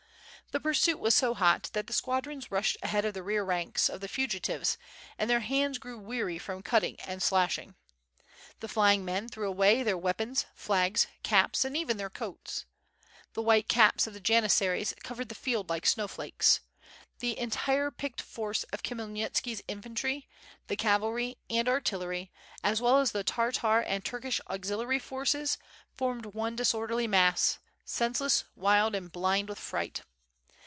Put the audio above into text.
The pursuit was so hot that the squadrons rushed ahead of the rear ranks of the fugitives and their hands grew weary from cutting and slashing. The flying men threw away their weapons, flags, caps, and even their coats. The white caps of the janissaries covered the field like snowflakes. The entire picked force of Khmyelnitski's infantry, the cavalry and artillery, as well as the Tartar and Turkish auxiliary forces formed one disorderly mass, senseless, wild, and blind with fright.